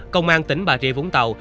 công an tỉnh bà rịa vũng tàu